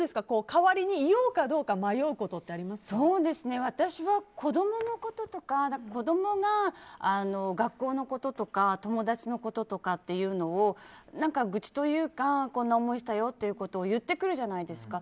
代わりに言うかどうか迷うこと私は子供のこととか子供が学校のこととか友達のこととかを愚痴というかこんな思いしたというのを言ってくるじゃないですか。